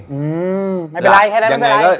งั้นไม่เป็นไรแค่นั้นมันมันเป็นไร